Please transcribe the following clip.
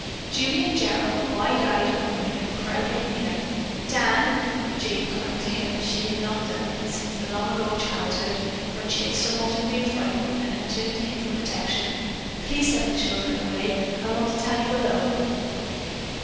Julie and Gerald, wide eyed and wondering, crowded near. "Dan," Jane clung to him as she had not since the long ago childhood, when she had so often been frightened and had turned to him for protection, "please send the children away. I want to tell you alone."